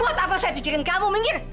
buat apa saya pikirin kamu minggir